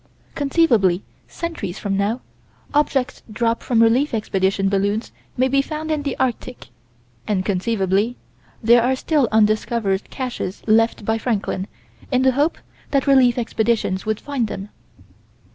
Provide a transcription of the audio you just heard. Conceivably centuries from now, objects dropped from relief expedition balloons may be found in the Arctic, and conceivably there are still undiscovered caches left by Franklin, in the hope that relief expeditions would find them.